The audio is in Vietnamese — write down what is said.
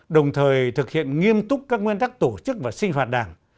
đồng thời thực hiện nghiêm túc các nguyên tắc tổ chức và sinh hoạt đảng